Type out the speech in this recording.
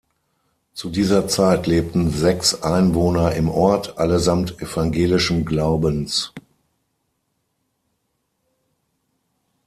Zu dieser Zeit lebten sechs Einwohner im Ort, allesamt evangelischen Glaubens.